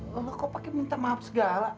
lah lo kok pake minta maaf segala